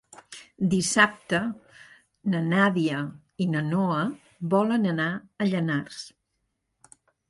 Dissabte na Nàdia i na Noa volen anar a Llanars.